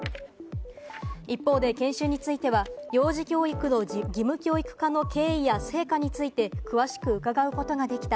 一方で研修については、幼児教育の義務教育化の経緯や成果について詳しく伺うことができた。